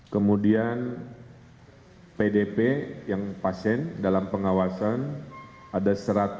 kemudian pdp yang pasien dalam pengawasan ada satu ratus tiga puluh